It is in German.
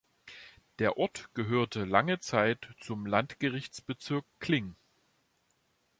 Der Ort gehörte lange Zeit zum Landgerichtsbezirk Kling.